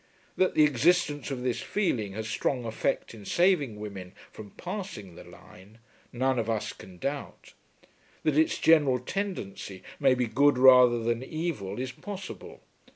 That the existence of this feeling has strong effect in saving women from passing the line, none of us can doubt. That its general tendency may be good rather than evil, is possible.